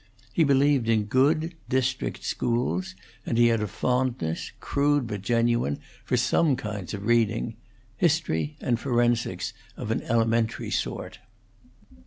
He believed in good district schools, and he had a fondness, crude but genuine, for some kinds of reading history, and forensics of an elementary sort.